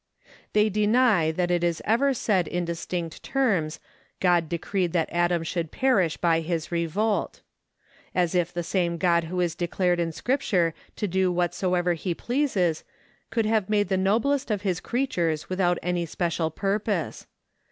They deny that it is ever said in distinct terms, God decreed that Adam should perish by his revolt. As if the same God who is declared in Scripture to do whatsoever he pleases could have made the noblest of his creatures without any special purpose.